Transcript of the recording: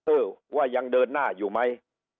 เออว่ายังเดินหน้าอยู่ไหม